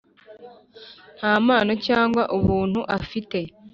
nta mpano cyangwa ubuntu afite,